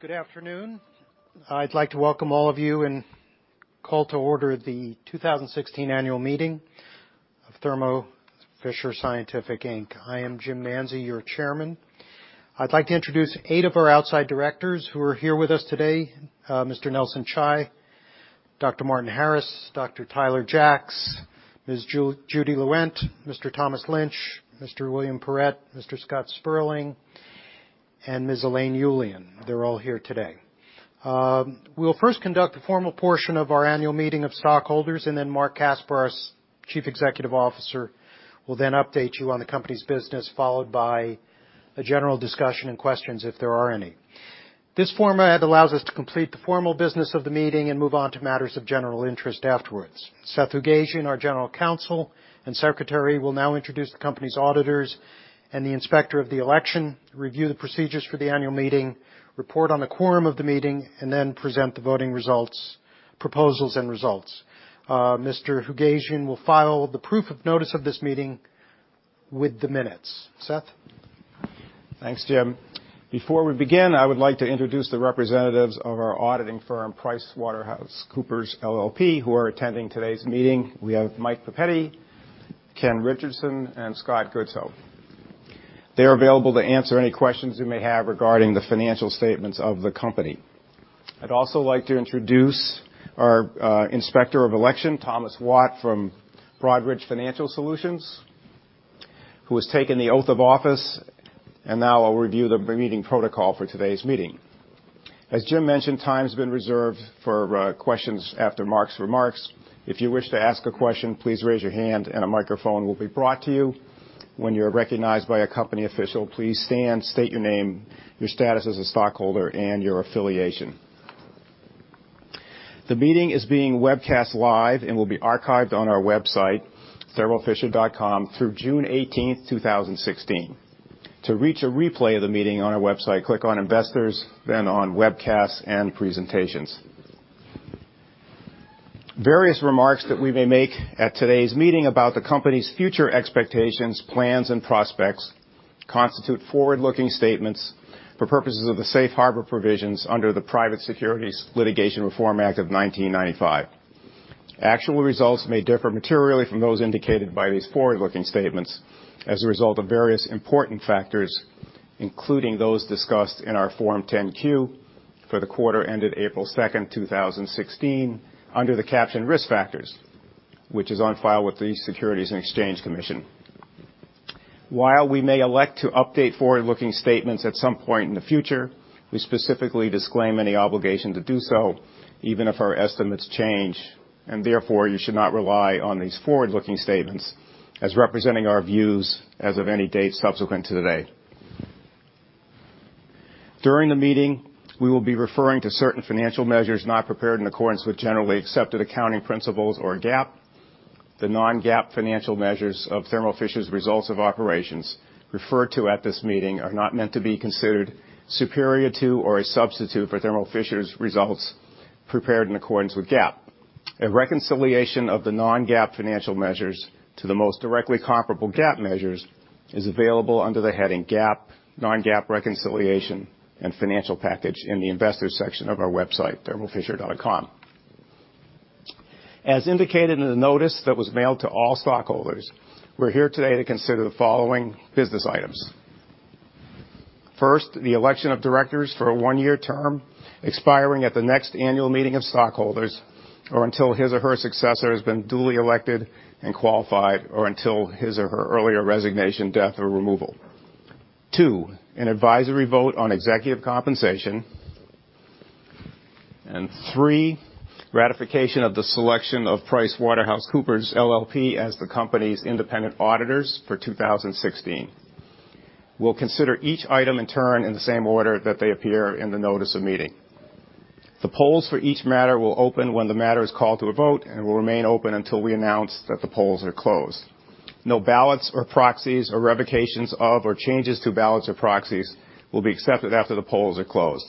Good afternoon. I'd like to welcome all of you and call to order the 2016 annual meeting of Thermo Fisher Scientific Inc. I am Jim Manzi, your chairman. I'd like to introduce eight of our outside directors who are here with us today. Mr. Nelson Chai, Dr. Martin Harris, Dr. Tyler Jacks, Ms. Judy Lewent, Mr. Thomas Lynch, Mr. William Parrett, Mr. Scott Sperling, and Ms. Elaine Ullian. They're all here today. We'll first conduct a formal portion of our annual meeting of stockholders. Marc Casper, our Chief Executive Officer, will then update you on the company's business, followed by a general discussion and questions if there are any. This format allows us to complete the formal business of the meeting and move on to matters of general interest afterwards. Seth Hoogasian, our general counsel and secretary, will now introduce the company's auditors and the Inspector of Election, review the procedures for the annual meeting, report on the quorum of the meeting. He will then present the voting results, proposals and results. Mr. Hoogasian will file the proof of notice of this meeting with the minutes. Seth? Thanks, Jim. Before we begin, I would like to introduce the representatives of our auditing firm, PricewaterhouseCoopers LLP, who are attending today's meeting. We have Mike Papetti, Ken Richardson, and Scott Godsoe. They're available to answer any questions you may have regarding the financial statements of the company. I'd also like to introduce our Inspector of Election, Thomas Watt from Broadridge Financial Solutions, who has taken the oath of office. He will now review the meeting protocol for today's meeting. As Jim mentioned, time's been reserved for questions after Marc's remarks. If you wish to ask a question, please raise your hand and a microphone will be brought to you. When you're recognized by a company official, please stand, state your name, your status as a stockholder, and your affiliation. The meeting is being webcast live and will be archived on our website, thermofisher.com, through June 18th, 2016. To reach a replay of the meeting on our website, click on Investors, then on Webcasts and Presentations. Various remarks that we may make at today's meeting about the company's future expectations, plans, and prospects constitute forward-looking statements for purposes of the safe harbor provisions under the Private Securities Litigation Reform Act of 1995. Actual results may differ materially from those indicated by these forward-looking statements as a result of various important factors, including those discussed in our Form 10-Q for the quarter ended April 2nd, 2016, under the caption Risk Factors, which is on file with the Securities and Exchange Commission. While we may elect to update forward-looking statements at some point in the future, we specifically disclaim any obligation to do so, even if our estimates change. Therefore, you should not rely on these forward-looking statements as representing our views as of any date subsequent to today. During the meeting, we will be referring to certain financial measures not prepared in accordance with generally accepted accounting principles or GAAP. The non-GAAP financial measures of Thermo Fisher's results of operations referred to at this meeting are not meant to be considered superior to or a substitute for Thermo Fisher's results prepared in accordance with GAAP. A reconciliation of the non-GAAP financial measures to the most directly comparable GAAP measures is available under the heading GAAP, Non-GAAP Reconciliation and Financial Package in the Investors section of our website, thermofisher.com. As indicated in the notice that was mailed to all stockholders, we're here today to consider the following business items. First, the election of directors for a one-year term expiring at the next annual meeting of stockholders, or until his or her successor has been duly elected and qualified, or until his or her earlier resignation, death, or removal. Two, an advisory vote on executive compensation. Three, ratification of the selection of PricewaterhouseCoopers LLP as the company's independent auditors for 2016. We'll consider each item in turn in the same order that they appear in the notice of meeting. The polls for each matter will open when the matter is called to a vote and will remain open until we announce that the polls are closed. No ballots or proxies or revocations of or changes to ballots or proxies will be accepted after the polls are closed.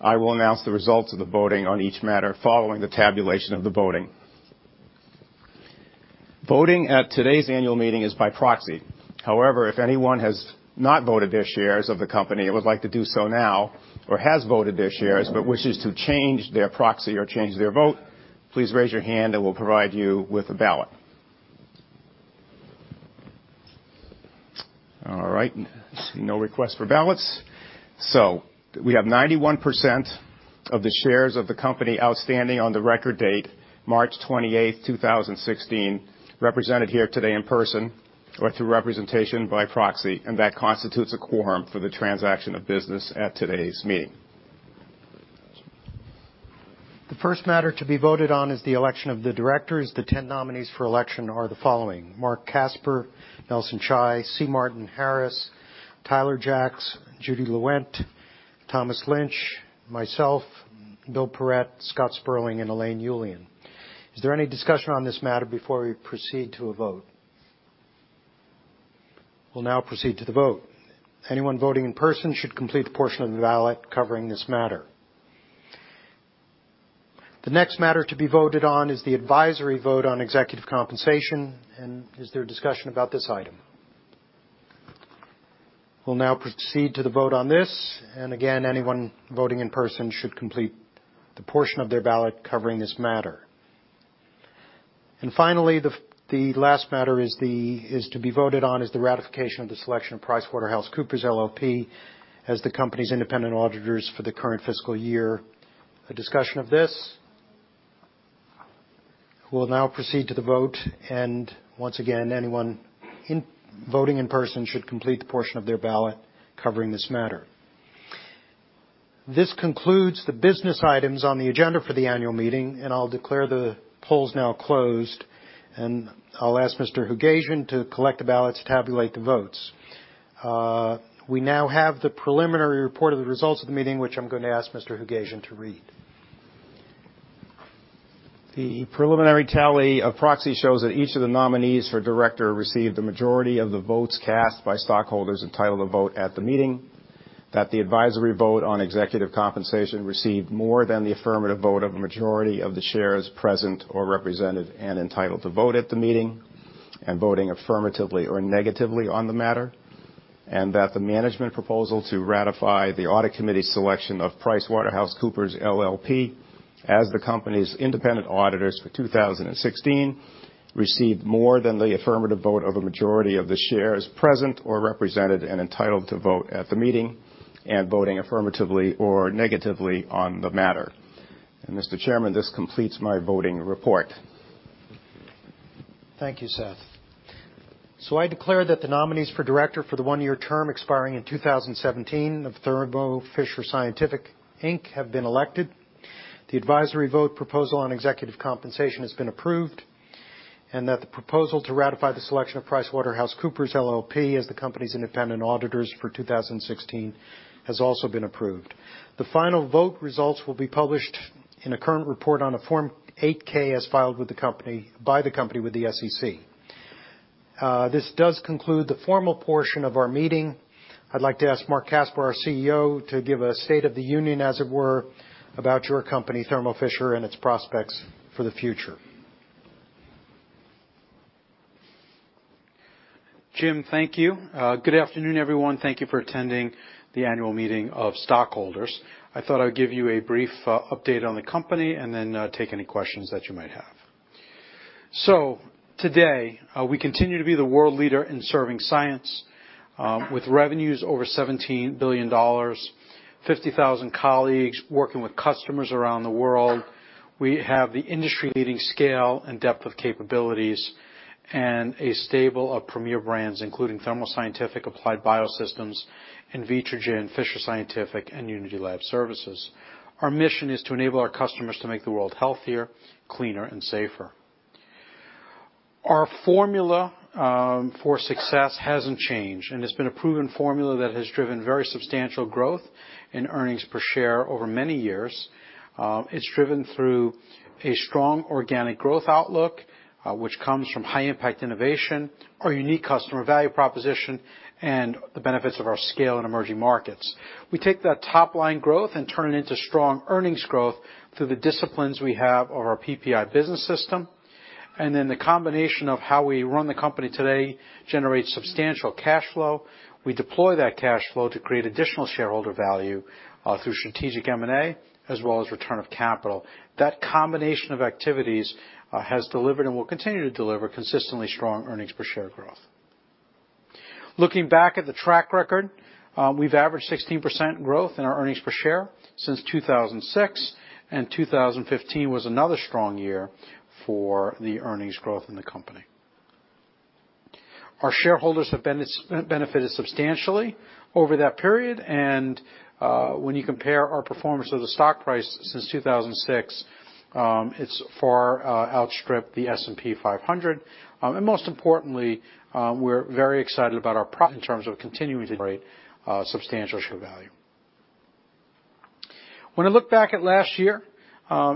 I will announce the results of the voting on each matter following the tabulation of the voting. Voting at today's annual meeting is by proxy. However, if anyone has not voted their shares of the company and would like to do so now, or has voted their shares but wishes to change their proxy or change their vote, please raise your hand and we'll provide you with a ballot. All right. I see no request for ballots. We have 91% of the shares of the company outstanding on the record date, March 28, 2016, represented here today in person or through representation by proxy, and that constitutes a quorum for the transaction of business at today's meeting. The first matter to be voted on is the election of the directors. The 10 nominees for election are the following: Marc Casper, Nelson Chai, C. Martin Harris, Tyler Jacks, Judy Lewent, Thomas Lynch, myself, Bill Parrett, Scott Sperling, and Elaine Ullian. Is there any discussion on this matter before we proceed to a vote? We'll now proceed to the vote. Anyone voting in person should complete the portion of the ballot covering this matter. The next matter to be voted on is the advisory vote on executive compensation. Is there a discussion about this item? We'll now proceed to the vote on this. Again, anyone voting in person should complete the portion of their ballot covering this matter. Finally, the last matter is to be voted on, is the ratification of the selection of PricewaterhouseCoopers LLP as the company's independent auditors for the current fiscal year. A discussion of this? We'll now proceed to the vote. Once again, anyone voting in person should complete the portion of their ballot covering this matter. This concludes the business items on the agenda for the annual meeting. I'll declare the polls now closed. I'll ask Mr. Hoogasian to collect the ballots, tabulate the votes. We now have the preliminary report of the results of the meeting, which I'm going to ask Mr. Hoogasian to read. The preliminary tally of proxies shows that each of the nominees for director received the majority of the votes cast by stockholders entitled to vote at the meeting, that the advisory vote on executive compensation received more than the affirmative vote of a majority of the shares present or represented and entitled to vote at the meeting and voting affirmatively or negatively on the matter, and that the management proposal to ratify the audit committee's selection of PricewaterhouseCoopers LLP as the company's independent auditors for 2016 received more than the affirmative vote of a majority of the shares present or represented and entitled to vote at the meeting and voting affirmatively or negatively on the matter. Mr. Chairman, this completes my voting report. Thank you, Seth. I declare that the nominees for director for the one-year term expiring in 2017 of Thermo Fisher Scientific Inc have been elected, the advisory vote proposal on executive compensation has been approved, and that the proposal to ratify the selection of PricewaterhouseCoopers LLP as the company's independent auditors for 2016 has also been approved. The final vote results will be published in a current report on a Form 8-K as filed by the company with the SEC. This does conclude the formal portion of our meeting. I'd like to ask Marc Casper, our CEO, to give a state of the union, as it were, about your company, Thermo Fisher, and its prospects for the future. Jim, thank you. Good afternoon, everyone. Thank you for attending the annual meeting of stockholders. I thought I would give you a brief update on the company. Then take any questions that you might have. Today, we continue to be the world leader in serving science with revenues over $17 billion, 50,000 colleagues working with customers around the world. We have the industry-leading scale and depth of capabilities and a stable of premier brands, including Thermo Scientific, Applied Biosystems, Invitrogen, Fisher Scientific, and Unity Lab Services. Our mission is to enable our customers to make the world healthier, cleaner, and safer. Our formula for success hasn't changed. It's been a proven formula that has driven very substantial growth in earnings per share over many years. It's driven through a strong organic growth outlook, which comes from high-impact innovation, our unique customer value proposition, and the benefits of our scale in emerging markets. We take that top-line growth and turn it into strong earnings growth through the disciplines we have of our PPI business system. Then the combination of how we run the company today generates substantial cash flow. We deploy that cash flow to create additional shareholder value through strategic M&A, as well as return of capital. That combination of activities has delivered and will continue to deliver consistently strong earnings per share growth. Looking back at the track record, we've averaged 16% growth in our earnings per share since 2006, and 2015 was another strong year for the earnings growth in the company. Our shareholders have benefited substantially over that period. When you compare our performance of the stock price since 2006, it's far outstripped the S&P 500. Most importantly, we're very excited about our in terms of continuing to create substantial share value. When I look back at last year,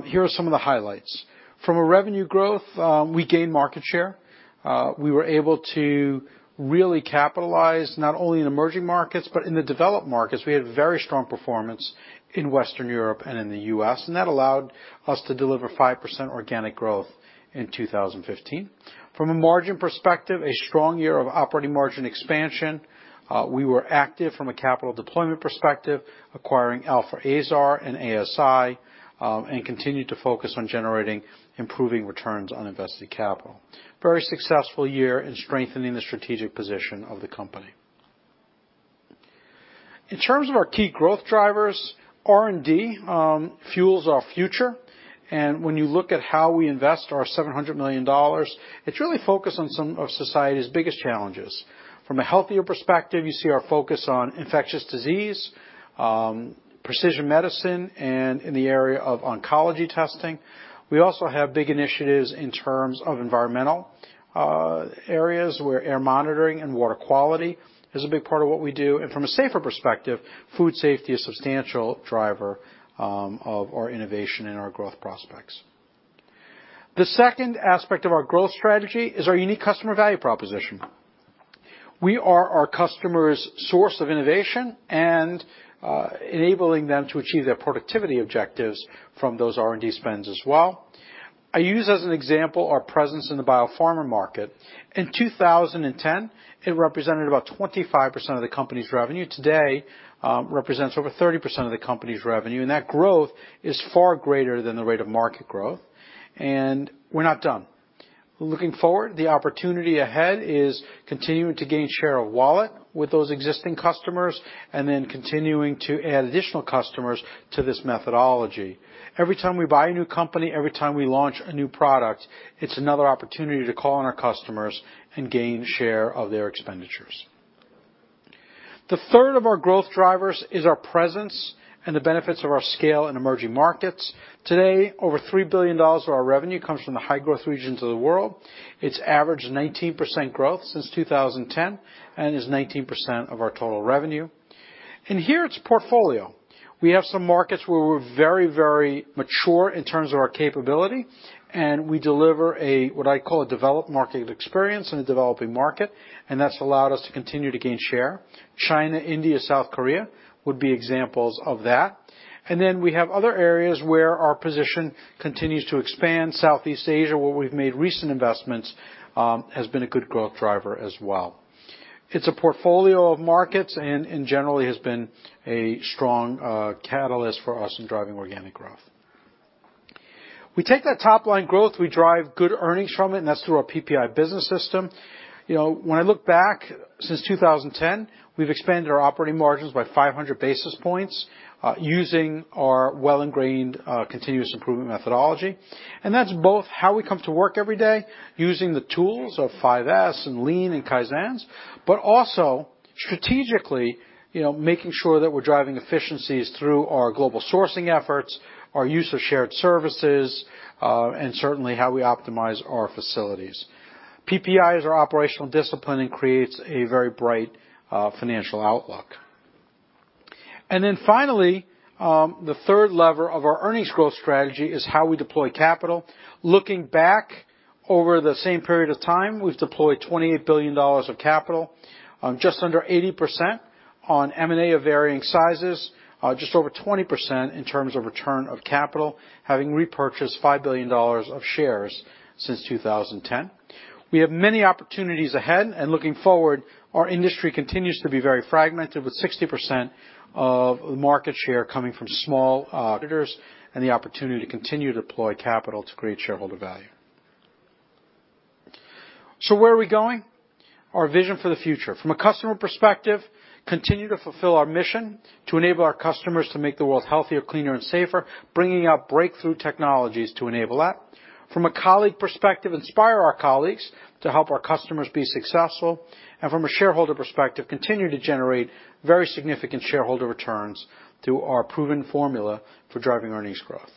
here are some of the highlights. From a revenue growth, we gained market share. We were able to really capitalize not only in emerging markets but in the developed markets. We had very strong performance in Western Europe and in the U.S. That allowed us to deliver 5% organic growth in 2015. From a margin perspective, a strong year of operating margin expansion. We were active from a capital deployment perspective, acquiring Alfa Aesar and ASI, and continued to focus on generating improving returns on invested capital. Very successful year in strengthening the strategic position of the company. In terms of our key growth drivers, R&D fuels our future. When you look at how we invest our $700 million, it's really focused on some of society's biggest challenges. From a healthier perspective, you see our focus on infectious disease, precision medicine, and in the area of oncology testing. We also have big initiatives in terms of environmental areas where air monitoring and water quality is a big part of what we do. From a safer perspective, food safety is a substantial driver of our innovation and our growth prospects. The second aspect of our growth strategy is our unique customer value proposition. We are our customers' source of innovation and enabling them to achieve their productivity objectives from those R&D spends as well. I use as an example, our presence in the biopharma market. In 2010, it represented about 25% of the company's revenue. Today, represents over 30% of the company's revenue. That growth is far greater than the rate of market growth. We're not done. Looking forward, the opportunity ahead is continuing to gain share of wallet with those existing customers. Then continuing to add additional customers to this methodology. Every time we buy a new company, every time we launch a new product, it's another opportunity to call on our customers and gain share of their expenditures. The third of our growth drivers is our presence and the benefits of our scale in emerging markets. Today, over $3 billion of our revenue comes from the high-growth regions of the world. It's averaged 19% growth since 2010 and is 19% of our total revenue. Here, it's portfolio. We have some markets where we're very mature in terms of our capability. We deliver a, what I call a developed market experience in a developing market, and that's allowed us to continue to gain share. China, India, South Korea would be examples of that. We have other areas where our position continues to expand. Southeast Asia, where we've made recent investments, has been a good growth driver as well. It's a portfolio of markets and generally has been a strong catalyst for us in driving organic growth. We take that top-line growth. We drive good earnings from it, and that's through our PPI business system. When I look back since 2010, we've expanded our operating margins by 500 basis points using our well-ingrained continuous improvement methodology. That's both how we come to work every day using the tools of 5S and Lean and Kaizens, also strategically, making sure that we're driving efficiencies through our global sourcing efforts, our use of shared services, and certainly how we optimize our facilities. PPI is our operational discipline and creates a very bright financial outlook. Finally, the third lever of our earnings growth strategy is how we deploy capital. Looking back over the same period of time, we've deployed $28 billion of capital, just under 80% on M&A of varying sizes, just over 20% in terms of return of capital, having repurchased $5 billion of shares since 2010. We have many opportunities ahead. Looking forward, our industry continues to be very fragmented, with 60% of market share coming from small orders and the opportunity to continue to deploy capital to create shareholder value. Where are we going? Our vision for the future. From a customer perspective, continue to fulfill our mission to enable our customers to make the world healthier, cleaner, and safer, bringing out breakthrough technologies to enable that. From a colleague perspective, inspire our colleagues to help our customers be successful. From a shareholder perspective, continue to generate very significant shareholder returns through our proven formula for driving earnings growth.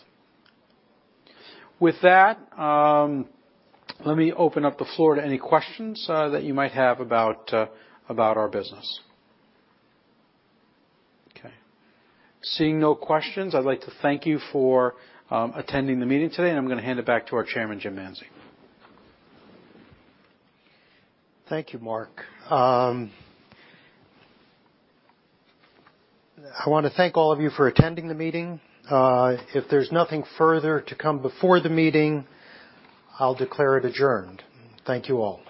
With that, let me open up the floor to any questions that you might have about our business. Okay. Seeing no questions, I'd like to thank you for attending the meeting today. I'm going to hand it back to our chairman, Jim Manzi. Thank you, Marc. I want to thank all of you for attending the meeting. If there's nothing further to come before the meeting, I'll declare it adjourned. Thank you all